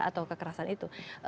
atau kekerasan itu